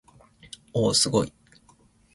おおおすごい